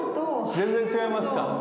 全然違いますか。